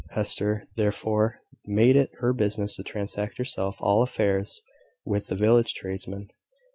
Hester therefore made it her business to transact herself all affairs with the village tradesmen.